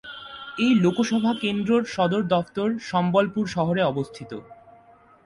এই লোকসভা কেন্দ্রর সদর দফতর সম্বলপুর শহরে অবস্থিত।